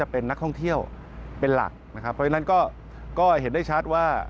เพราะฉะนั้นก็เห็นได้ชัดว่า